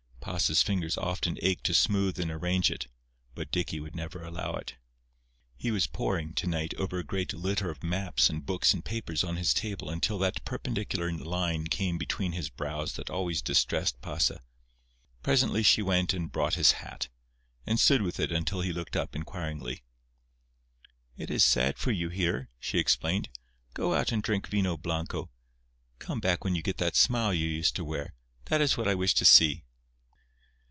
Pasa's fingers often ached to smooth and arrange it, but Dicky would never allow it. He was poring, to night, over a great litter of maps and books and papers on his table until that perpendicular line came between his brows that always distressed Pasa. Presently she went and brought his hat, and stood with it until he looked up, inquiringly. "It is sad for you here," she explained. "Go out and drink vino blanco. Come back when you get that smile you used to wear. That is what I wish to see."